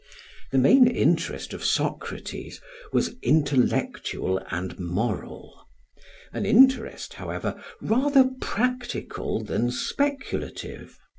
The main interest of Socrates was intellectual and moral; an interest, however, rather practical than speculative.